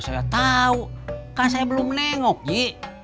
saya tahu kan saya belum nengok ji